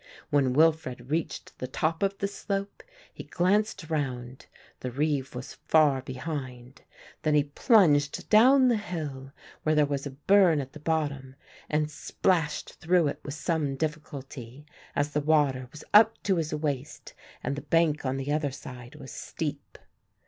When Wilfred reached the top of the slope he glanced round, the reeve was far behind; then he plunged down the hill where there was a burn at the bottom, and splashed through it with some difficulty, as the water was up to his waist and the bank on the other side was steep.